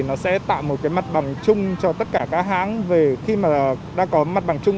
nó sẽ tạo một cái mặt bằng chung cho tất cả các hãng về khi mà đã có mặt bằng chung